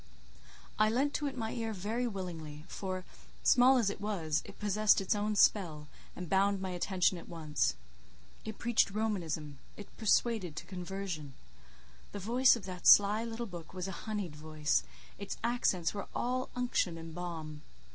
I lent to it my ear very willingly, for, small as it was, it possessed its own spell, and bound my attention at once. It preached Romanism; it persuaded to conversion. The voice of that sly little book was a honeyed voice; its accents were all unction and balm.